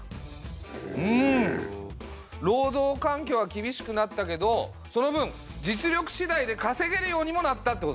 労働環境は厳しくなったけどその分実力しだいでかせげるようにもなったってことだ。